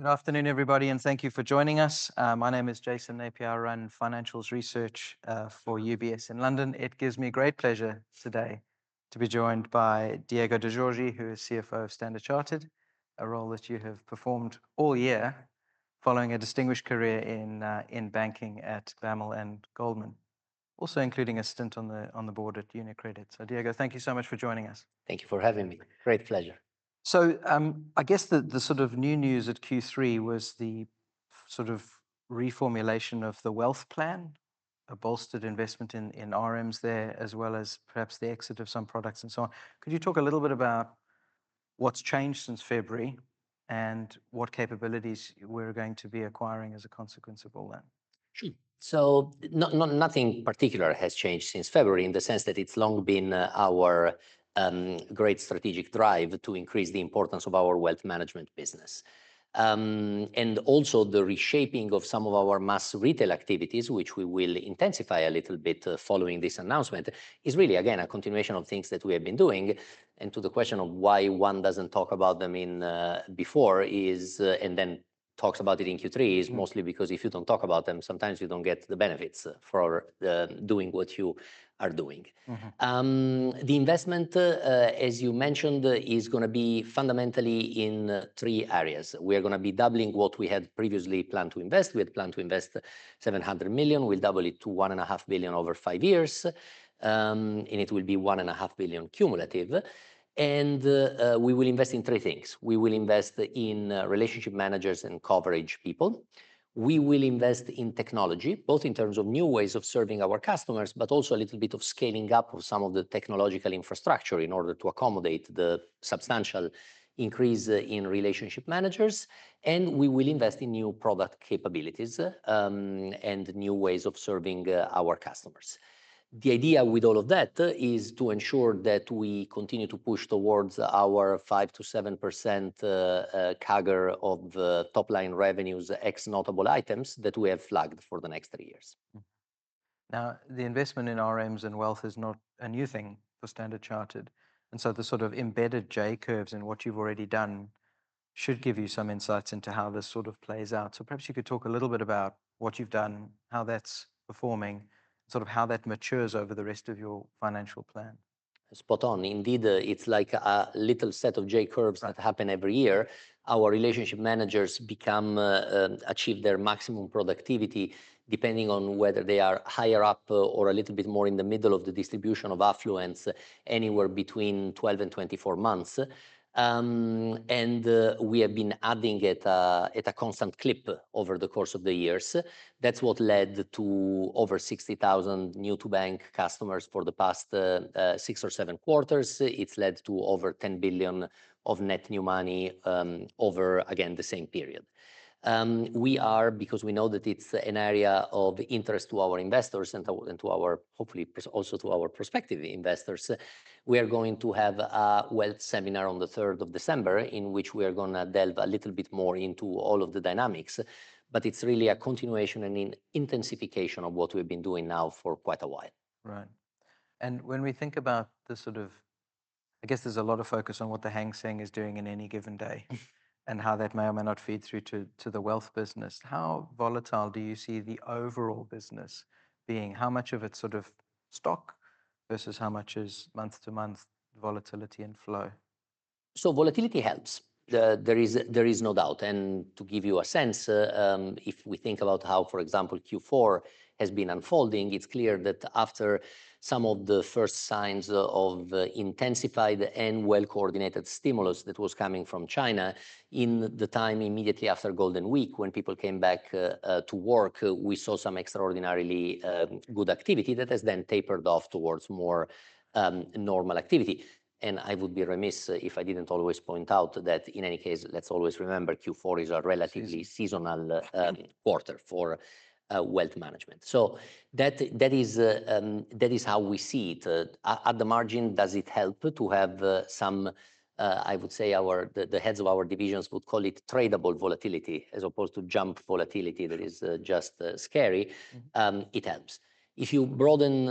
Good afternoon, everybody, and thank you for joining us. My name is Jason Napier, running financials research for UBS in London. It gives me great pleasure today to be joined by Diego De Giorgi, who is CFO of Standard Chartered, a role that you have performed all year, following a distinguished career in banking at BAML and Goldman, also including a stint on the board at UniCredit. So, Diego, thank you so much for joining us. Thank you for having me. Great pleasure. So, I guess the sort of new news at Q3 was the sort of reformulation of the wealth plan, a bolstered investment in RMs there, as well as perhaps the exit of some products and so on. Could you talk a little bit about what's changed since February and what capabilities we're going to be acquiring as a consequence of all that? Sure. So, nothing particular has changed since February in the sense that it's long been our great strategic drive to increase the importance of our wealth management business. And also, the reshaping of some of our mass retail activities, which we will intensify a little bit following this announcement, is really, again, a continuation of things that we have been doing. And to the question of why one doesn't talk about them before, and then talks about it in Q3, is mostly because if you don't talk about them, sometimes you don't get the benefits for doing what you are doing. The investment, as you mentioned, is going to be fundamentally in three areas. We are going to be doubling what we had previously planned to invest. We had planned to invest $700 million. We'll double it to $1.5 billion over five years, and it will be $1.5 billion cumulative. We will invest in three things. We will invest in relationship managers and coverage people. We will invest in technology, both in terms of new ways of serving our customers, but also a little bit of scaling up of some of the technological infrastructure in order to accommodate the substantial increase in relationship managers. And we will invest in new product capabilities and new ways of serving our customers. The idea with all of that is to ensure that we continue to push towards our 5%-7% CAGR of top-line revenues ex notable items that we have flagged for the next three years. Now, the investment in RMs and wealth is not a new thing for Standard Chartered. And so the sort of embedded J curves and what you've already done should give you some insights into how this sort of plays out. So perhaps you could talk a little bit about what you've done, how that's performing, sort of how that matures over the rest of your financial plan. Spot on. Indeed, it's like a little set of J curves that happen every year. Our relationship managers achieve their maximum productivity depending on whether they are higher up or a little bit more in the middle of the distribution of affluence, anywhere between 12 months and 24 months, and we have been adding at a constant clip over the course of the years. That's what led to over 60,000 new-to-bank customers for the past six or seven quarters. It's led to over $10 billion of net new money over, again, the same period. We are, because we know that it's an area of interest to our investors and to our, hopefully, also to our prospective investors, going to have a wealth seminar on the 3rd of December in which we are going to delve a little bit more into all of the dynamics. But it's really a continuation and an intensification of what we've been doing now for quite a while. Right, and when we think about the sort of, I guess there's a lot of focus on what the Hang Seng is doing in any given day and how that may or may not feed through to the wealth business. How volatile do you see the overall business being? How much of it's sort of stock versus how much is month-to-month volatility and flow? Volatility helps. There is no doubt. To give you a sense, if we think about how, for example, Q4 has been unfolding, it's clear that after some of the first signs of intensified and well-coordinated stimulus that was coming from China, in the time immediately after Golden Week, when people came back to work, we saw some extraordinarily good activity that has then tapered off towards more normal activity. I would be remiss if I didn't always point out that, in any case, let's always remember Q4 is a relatively seasonal quarter for wealth management. That is how we see it. At the margin, does it help to have some, I would say, the heads of our divisions would call it tradable volatility as opposed to jump volatility that is just scary? It helps. If you broaden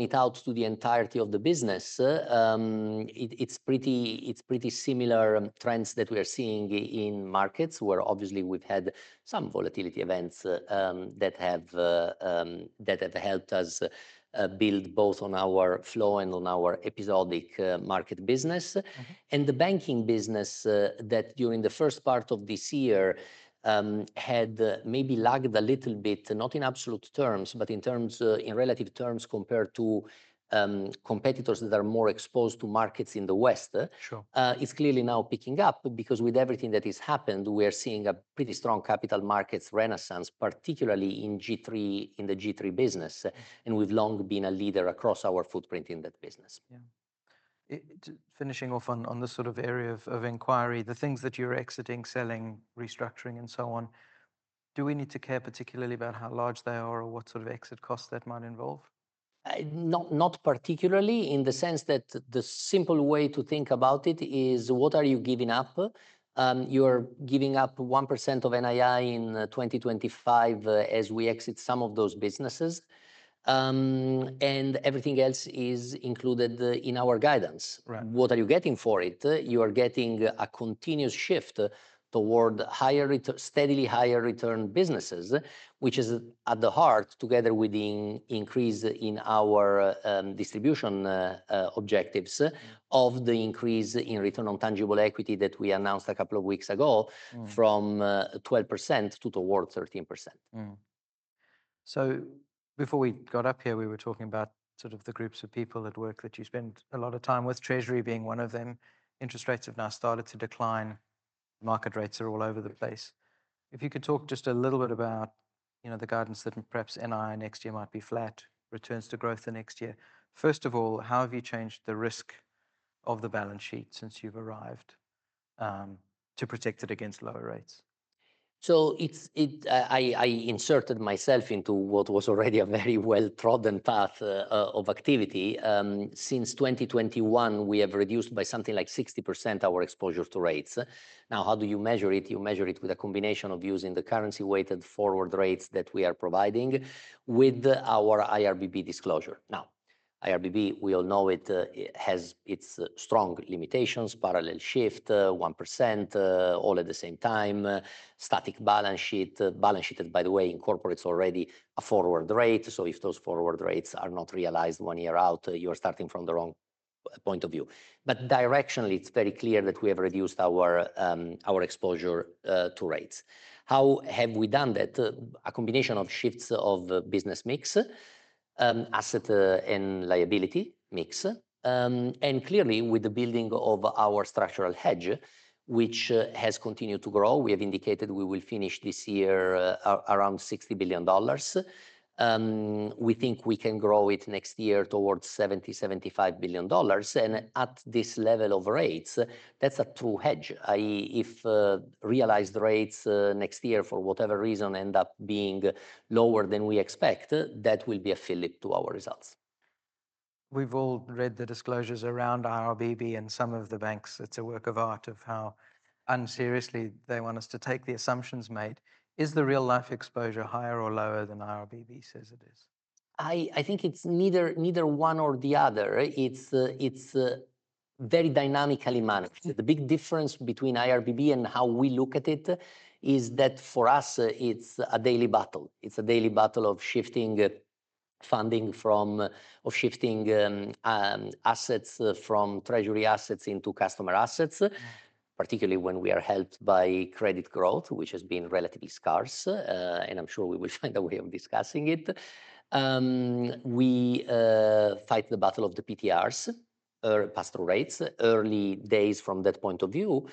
it out to the entirety of the business, it's pretty similar trends that we are seeing in markets where, obviously, we've had some volatility events that have helped us build both on our flow and on our episodic market business, and the banking business that during the first part of this year had maybe lagged a little bit, not in absolute terms, but in relative terms compared to competitors that are more exposed to markets in the West, it's clearly now picking up because with everything that has happened, we are seeing a pretty strong capital markets renaissance, particularly in the G3 business, and we've long been a leader across our footprint in that business. Yeah. Finishing off on the sort of area of inquiry, the things that you're exiting, selling, restructuring, and so on, do we need to care particularly about how large they are or what sort of exit costs that might involve? Not particularly in the sense that the simple way to think about it is, what are you giving up? You are giving up 1% of NII in 2025 as we exit some of those businesses. And everything else is included in our guidance. What are you getting for it? You are getting a continuous shift toward steadily higher return businesses, which is at the heart, together with the increase in our distribution objectives of the increase in return on tangible equity that we announced a couple of weeks ago from 12% to toward 13%. So before we got up here, we were talking about sort of the groups of people at work that you spend a lot of time with, Treasury being one of them. Interest rates have now started to decline. Market rates are all over the place. If you could talk just a little bit about the guidance that perhaps NII next year might be flat, returns to growth the next year. First of all, how have you changed the risk of the balance sheet since you've arrived to protect it against lower rates? I inserted myself into what was already a very well-trodden path of activity. Since 2021, we have reduced by something like 60% our exposure to rates. Now, how do you measure it? You measure it with a combination of using the currency-weighted forward rates that we are providing with our IRRBB disclosure. Now, IRRBB, we all know it has its strong limitations, parallel shift, 1% all at the same time, static balance sheet. Balance sheet, by the way, incorporates already a forward rate. So if those forward rates are not realized one year out, you are starting from the wrong point of view. But directionally, it's very clear that we have reduced our exposure to rates. How have we done that? A combination of shifts of business mix, asset and liability mix, and clearly with the building of our structural hedge, which has continued to grow. We have indicated we will finish this year around $60 billion. We think we can grow it next year towards $70 billion, $75 billion, and at this level of rates, that's a true hedge. If realized rates next year for whatever reason end up being lower than we expect, that will be a fillip to our results. We've all read the disclosures around IRRBB and some of the banks. It's a work of art of how unseriously they want us to take the assumptions made. Is the real-life exposure higher or lower than IRRBB says it is? I think it's neither one nor the other. It's very dynamically managed. The big difference between IRRBB and how we look at it is that for us, it's a daily battle. It's a daily battle of shifting funding from assets, from Treasury assets into customer assets, particularly when we are helped by credit growth, which has been relatively scarce, and I'm sure we will find a way of discussing it. We fight the battle of the PTRs, pass-through rates, early days from that point of view.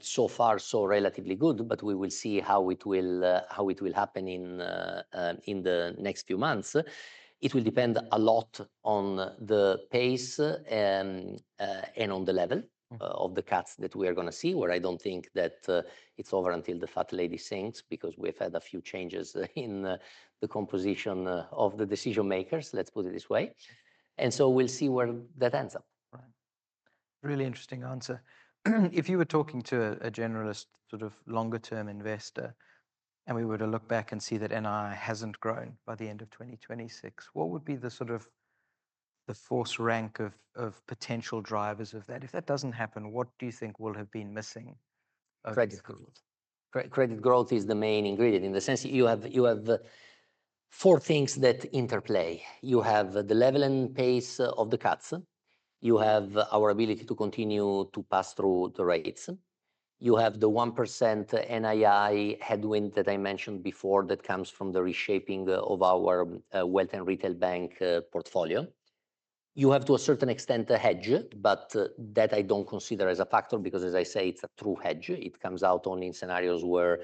So far, so relatively good, but we will see how it will happen in the next few months. It will depend a lot on the pace and on the level of the cuts that we are going to see, where I don't think that it's over until the fat lady sinks because we have had a few changes in the composition of the decision makers, let's put it this way, and so we'll see where that ends up. Right. Really interesting answer. If you were talking to a generalist, sort of longer-term investor, and we were to look back and see that NII hasn't grown by the end of 2026, what would be the sort of force rank of potential drivers of that? If that doesn't happen, what do you think will have been missing? Credit growth. Credit growth is the main ingredient in the sense you have four things that interplay. You have the level and pace of the cuts. You have our ability to continue to pass through the rates. You have the 1% NII headwind that I mentioned before that comes from the reshaping of our wealth and retail bank portfolio. You have, to a certain extent, a hedge, but that I don't consider as a factor because, as I say, it's a true hedge. It comes out only in scenarios where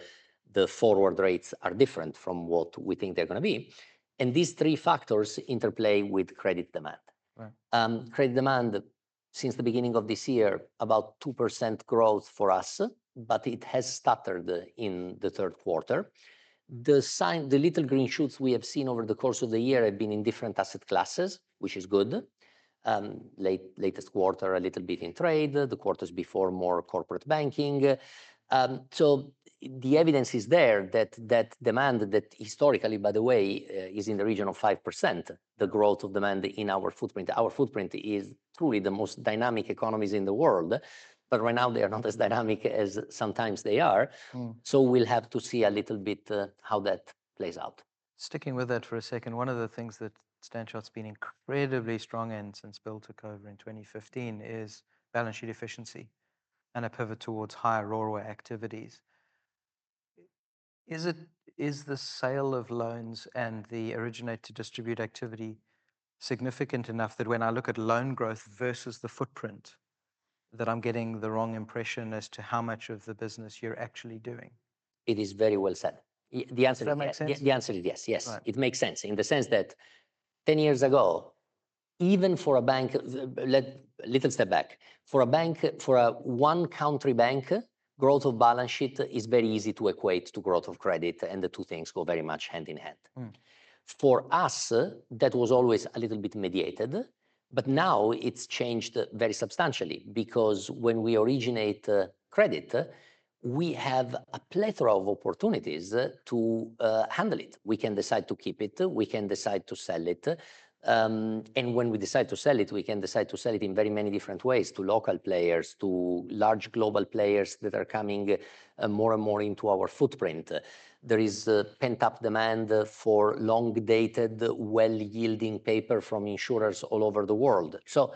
the forward rates are different from what we think they're going to be. And these three factors interplay with credit demand. Credit demand, since the beginning of this year, about 2% growth for us, but it has stuttered in the third quarter. The little green shoots we have seen over the course of the year have been in different asset classes, which is good. Latest quarter, a little bit in trade. The quarters before, more corporate banking. So the evidence is there that demand, that historically, by the way, is in the region of 5%, the growth of demand in our footprint. Our footprint is truly the most dynamic economies in the world, but right now, they are not as dynamic as sometimes they are. So we'll have to see a little bit how that plays out. Sticking with that for a second, one of the things that StanChart's been incredibly strong in since Bill took over in 2015 is balance sheet efficiency and a pivot towards higher return activities. Is the sale of loans and the originate-to-distribute activity significant enough that when I look at loan growth versus the footprint, that I'm getting the wrong impression as to how much of the business you're actually doing? It is very well said. The answer is yes. Yes. It makes sense in the sense that 10 years ago, even for a bank, little step back, for a bank, for a one-country bank, growth of balance sheet is very easy to equate to growth of credit, and the two things go very much hand in hand. For us, that was always a little bit mediated, but now it's changed very substantially because when we originate credit, we have a plethora of opportunities to handle it. We can decide to keep it. We can decide to sell it. And when we decide to sell it, we can decide to sell it in very many different ways to local players, to large global players that are coming more and more into our footprint. There is pent-up demand for long-dated, well-yielding paper from insurers all over the world. So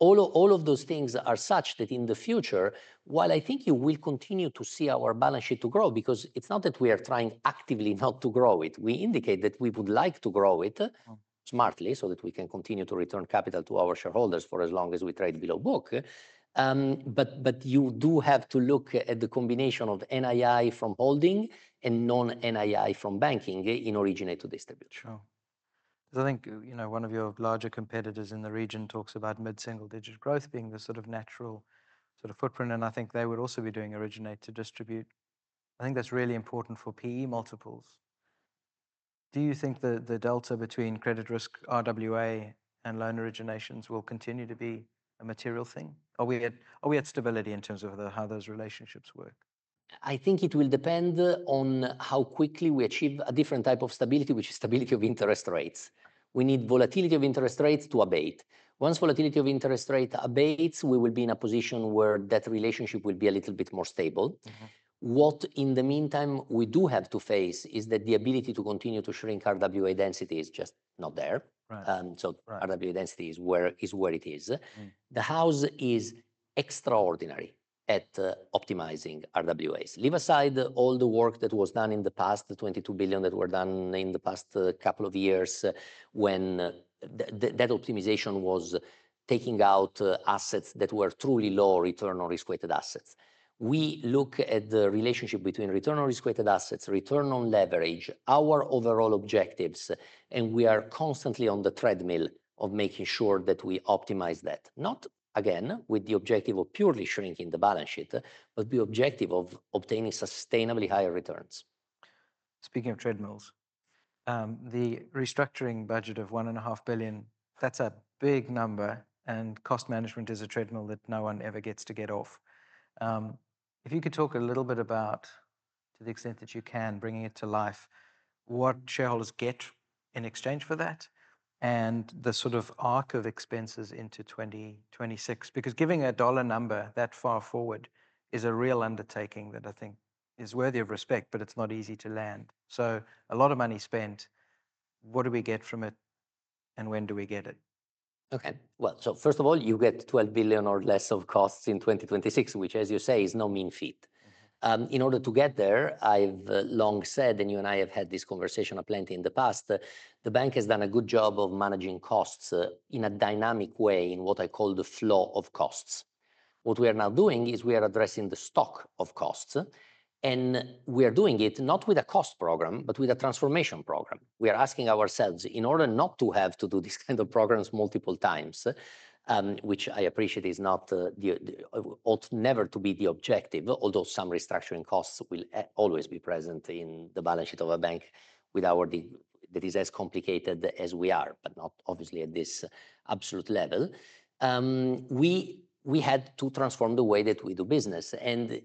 all of those things are such that in the future, while I think you will continue to see our balance sheet to grow, because it's not that we are trying actively not to grow it, we indicate that we would like to grow it smartly so that we can continue to return capital to our shareholders for as long as we trade below book. But you do have to look at the combination of NII from holding and non-NII from banking in originate to distribute. Sure. Because I think one of your larger competitors in the region talks about mid-single digit growth being the sort of natural sort of footprint, and I think they would also be doing originate to distribute. I think that's really important for PE multiples. Do you think the delta between credit risk, RWA, and loan originations will continue to be a material thing? Are we at stability in terms of how those relationships work? I think it will depend on how quickly we achieve a different type of stability, which is stability of interest rates. We need volatility of interest rates to abate. Once volatility of interest rate abates, we will be in a position where that relationship will be a little bit more stable. What in the meantime we do have to face is that the ability to continue to shrink RWA density is just not there. So RWA density is where it is. The house is extraordinary at optimizing RWAs. Leave aside all the work that was done in the past, the $22 billion that were done in the past couple of years when that optimization was taking out assets that were truly low return on risk-weighted assets. We look at the relationship between return on risk-weighted assets, return on leverage, our overall objectives, and we are constantly on the treadmill of making sure that we optimize that, not again with the objective of purely shrinking the balance sheet, but the objective of obtaining sustainably higher returns. Speaking of treadmills, the restructuring budget of $1.5 billion, that's a big number, and cost management is a treadmill that no one ever gets to get off. If you could talk a little bit about, to the extent that you can, bringing it to life, what shareholders get in exchange for that and the sort of arc of expenses into 2026, because giving a dollar number that far forward is a real undertaking that I think is worthy of respect, but it's not easy to land. So a lot of money spent. What do we get from it and when do we get it? Okay. Well, so first of all, you get $12 billion or less of costs in 2026, which, as you say, is no mean feat. In order to get there, I've long said, and you and I have had this conversation up plenty in the past, the bank has done a good job of managing costs in a dynamic way in what I call the flow of costs. What we are now doing is we are addressing the stock of costs, and we are doing it not with a cost program, but with a transformation program. We are asking ourselves, in order not to have to do these kinds of programs multiple times, which I appreciate is not never to be the objective, although some restructuring costs will always be present in the balance sheet of a bank with our that is as complicated as we are, but not obviously at this absolute level. We had to transform the way that we do business. And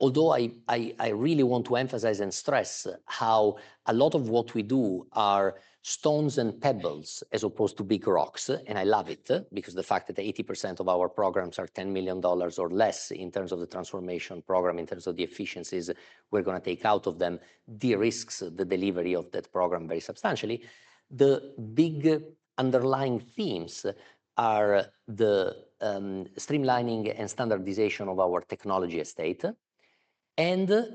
although I really want to emphasize and stress how a lot of what we do are stones and pebbles as opposed to big rocks, and I love it because the fact that 80% of our programs are $10 million or less in terms of the transformation program, in terms of the efficiencies we're going to take out of them, de-risk the delivery of that program very substantially. The big underlying themes are the streamlining and standardization of our technology estate and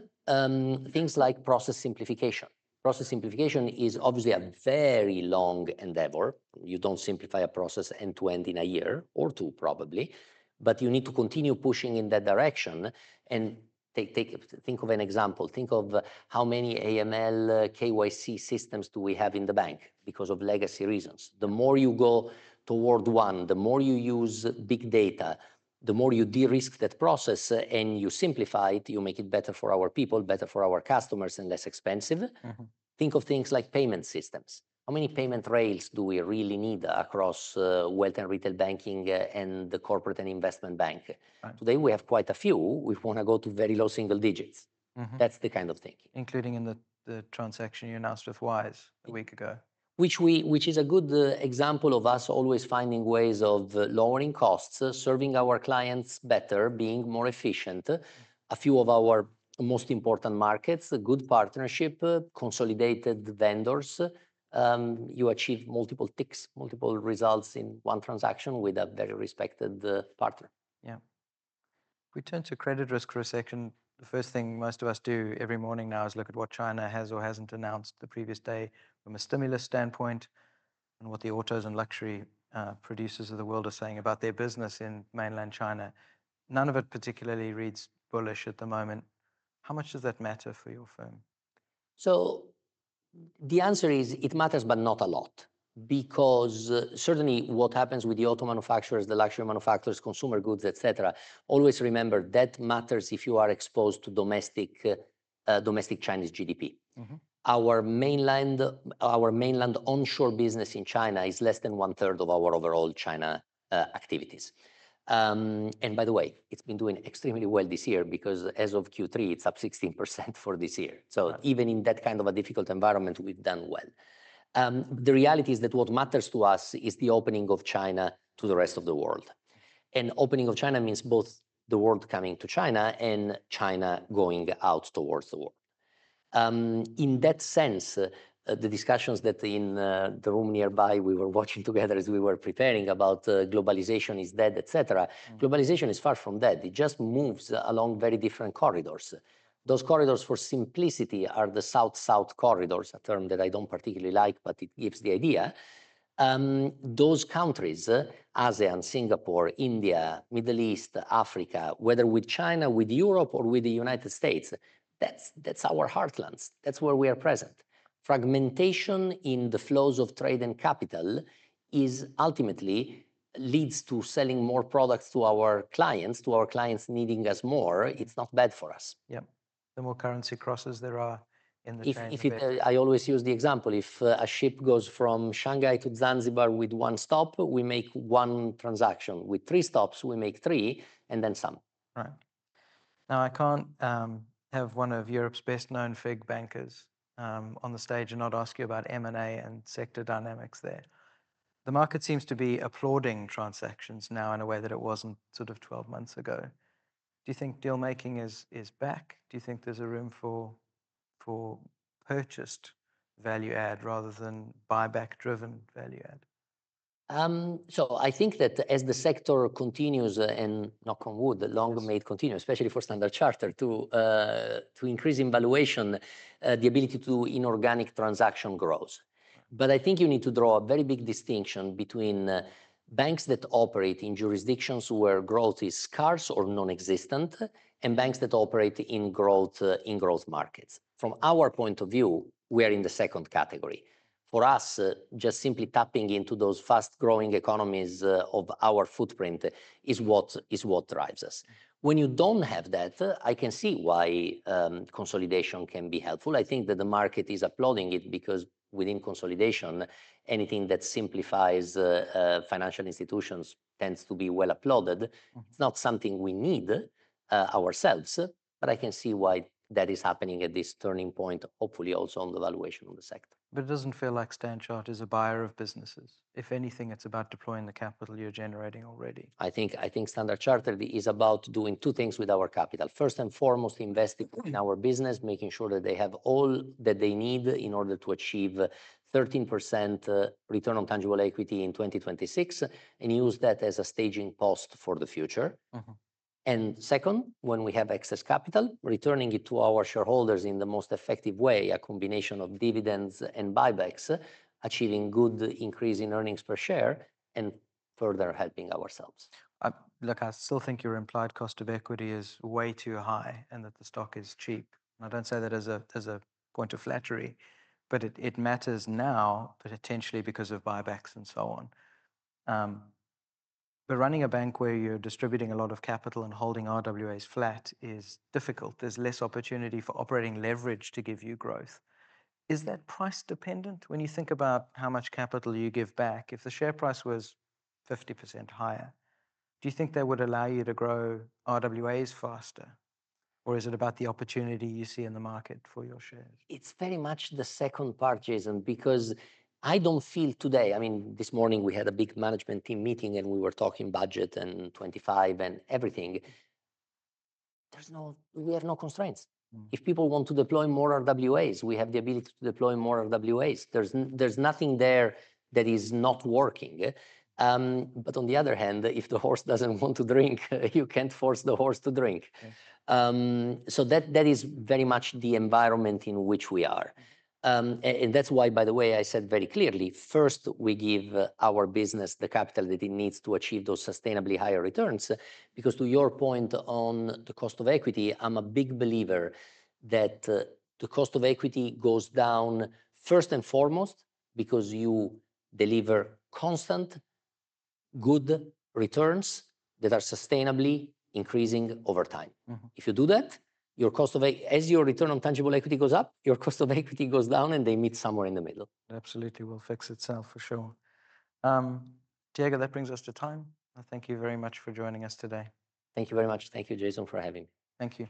things like process simplification. Process simplification is obviously a very long endeavor. You don't simplify a process end to end in a year or two, probably, but you need to continue pushing in that direction. And think of an example. Think of how many AML, KYC systems do we have in the bank because of legacy reasons. The more you go toward one, the more you use big data, the more you de-risk that process and you simplify it, you make it better for our people, better for our customers, and less expensive. Think of things like payment systems. How many payment rails do we really need across wealth and retail banking and the corporate and investment bank? Today, we have quite a few. We want to go to very low single digits. That's the kind of thinking. Including in the transaction you announced with Wise a week ago. Which is a good example of us always finding ways of lowering costs, serving our clients better, being more efficient. A few of our most important markets, a good partnership, consolidated vendors. You achieve multiple ticks, multiple results in one transaction with a very respected partner. Yeah. We turn to credit risk for a second. The first thing most of us do every morning now is look at what China has or hasn't announced the previous day from a stimulus standpoint and what the autos and luxury producers of the world are saying about their business in mainland China. None of it particularly reads bullish at the moment. How much does that matter for your firm? So the answer is it matters, but not a lot, because certainly what happens with the auto manufacturers, the luxury manufacturers, consumer goods, et cetera. Always remember that matters if you are exposed to domestic Chinese GDP. Our mainland onshore business in China is less than one-third of our overall China activities. And by the way, it's been doing extremely well this year because as of Q3, it's up 16% for this year. So even in that kind of a difficult environment, we've done well. The reality is that what matters to us is the opening of China to the rest of the world. And opening of China means both the world coming to China and China going out towards the world. In that sense, the discussions that in the room nearby we were watching together as we were preparing about globalization is dead, et cetera. Globalization is far from dead. It just moves along very different corridors. Those corridors for simplicity are the South-South corridors, a term that I don't particularly like, but it gives the idea. Those countries, ASEAN, Singapore, India, Middle East, Africa, whether with China, with Europe, or with the United States, that's our heartlands. That's where we are present. Fragmentation in the flows of trade and capital ultimately leads to selling more products to our clients, to our clients needing us more. It's not bad for us. Yeah. The more currency crosses there are in the transaction. I always use the example. If a ship goes from Shanghai to Zanzibar with one stop, we make one transaction. With three stops, we make three and then some. Right. Now, I can't have one of Europe's best-known FIG bankers on the stage and not ask you about M&A and sector dynamics there. The market seems to be applauding transactions now in a way that it wasn't sort of 12 months ago. Do you think deal-making is back? Do you think there's a room for purchased value-add rather than buyback-driven value-add? So I think that as the sector continues, and knock on wood, the longer may continue, especially for Standard Chartered, to increase in valuation, the ability to do inorganic transaction grows. But I think you need to draw a very big distinction between banks that operate in jurisdictions where growth is scarce or non-existent and banks that operate in growth markets. From our point of view, we are in the second category. For us, just simply tapping into those fast-growing economies of our footprint is what drives us. When you don't have that, I can see why consolidation can be helpful. I think that the market is applauding it because within consolidation, anything that simplifies financial institutions tends to be well applauded. It's not something we need ourselves, but I can see why that is happening at this turning point, hopefully also on the valuation of the sector. But it doesn't feel like Stanchot is a buyer of businesses. If anything, it's about deploying the capital you're generating already. I think Standard Chartered is about doing two things with our capital. First and foremost, investing in our business, making sure that they have all that they need in order to achieve 13% return on tangible equity in 2026 and use that as a staging post for the future. And second, when we have excess capital, returning it to our shareholders in the most effective way, a combination of dividends and buybacks, achieving good increase in earnings per share and further helping ourselves. Look, I still think your implied cost of equity is way too high and that the stock is cheap. And I don't say that as a point of flattery, but it matters now, potentially because of buybacks and so on. But running a bank where you're distributing a lot of capital and holding RWAs flat is difficult. There's less opportunity for operating leverage to give you growth. Is that price-dependent? When you think about how much capital you give back, if the share price was 50% higher, do you think that would allow you to grow RWAs faster, or is it about the opportunity you see in the market for your shares? It's very much the second part, Jason, because I don't feel today. I mean, this morning we had a big management team meeting and we were talking budget and 2025 and everything. There's no, we have no constraints. If people want to deploy more RWAs, we have the ability to deploy more RWAs. There's nothing there that is not working. But on the other hand, if the horse doesn't want to drink, you can't force the horse to drink. So that is very much the environment in which we are. And that's why, by the way, I said very clearly, first we give our business the capital that it needs to achieve those sustainably higher returns. Because to your point on the cost of equity, I'm a big believer that the cost of equity goes down first and foremost because you deliver constant good returns that are sustainably increasing over time. If you do that, your cost of, as your return on tangible equity goes up, your cost of equity goes down and they meet somewhere in the middle. Absolutely. It will fix itself for sure. Diego, that brings us to time. I thank you very much for joining us today. Thank you very much. Thank you, Jason, for having me. Thank you.